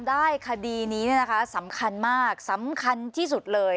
ได้คดีนี้เนี่ยนะคะสำคัญมากสำคัญที่สุดเลย